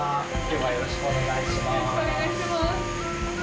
よろしくお願いします。